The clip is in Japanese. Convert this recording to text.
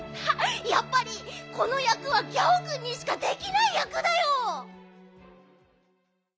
やっぱりこのやくはギャオくんにしかできないやくだよ。